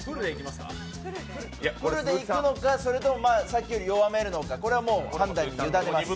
フルでいくのかさっきより弱めるのかこれはもう判断委ねます。